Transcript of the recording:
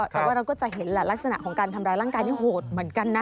แต่ว่าเราก็จะเห็นแหละลักษณะของการทำร้ายร่างกายนี่โหดเหมือนกันนะ